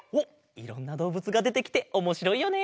いろんなどうぶつがでてきておもしろいよね！